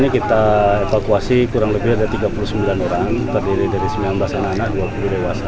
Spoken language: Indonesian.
kita evakuasi kurang lebih ada tiga puluh sembilan orang terdiri dari sembilan belas anak anak dua puluh dewasa